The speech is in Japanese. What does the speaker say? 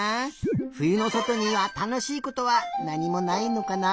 ふゆのそとにはたのしいことはなにもないのかな？